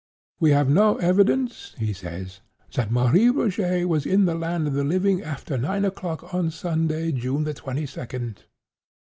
'We have no evidence,' he says, 'that Marie Rogêt was in the land of the living after nine o'clock on Sunday, June the twenty second.